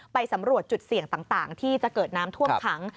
ไปสำรวจจุดเสี่ยงต่างที่จะเกิดน้ำท่วมขัง